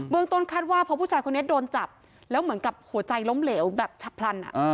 เมืองต้นคาดว่าเพราะผู้ชายคนนี้โดนจับแล้วเหมือนกับหัวใจล้มเหลวแบบฉับพลัน